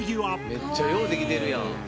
めっちゃよう出来てるやん。